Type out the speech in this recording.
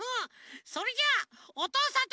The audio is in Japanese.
それじゃあ「おとうさんといっしょ」